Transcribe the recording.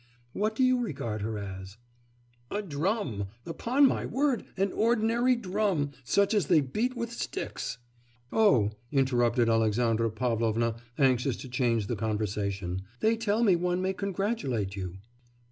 'What do you regard her as?' 'A drum, upon my word, an ordinary drum such as they beat with sticks.' 'Oh,' interrupted Alexandra Pavlovna, anxious to change the conversation, 'they tell me one may congratulate you.